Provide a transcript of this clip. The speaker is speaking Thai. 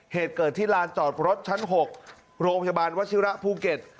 เหตุเกิดที่ลานจอดรถชั้น๖โรงพยาบาลวชิระภูเก็ต